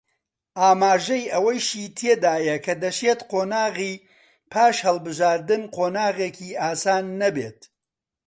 ئاماژەی ئەوەیشی تێدایە کە دەشێت قۆناغی پاش هەڵبژاردن قۆناغێکی ئاسان نەبێت